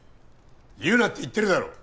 言うなって言ってるだろ！